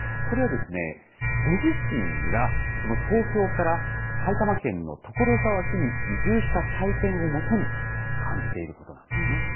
これは、ご自身が、東京から埼玉県の所沢市に移住した体験をもとに、感じていることなんですね。